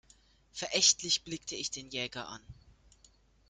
Verächtlich blickte ich den Jäger an.